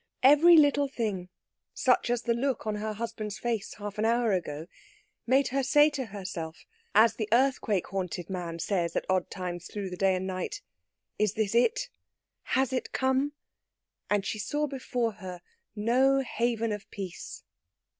Every little thing, such as the look on her husband's face half an hour ago, made her say to herself, as the earthquake haunted man says at odd times all through the day and night, "Is this it? Has it come?" and she saw before her no haven of peace.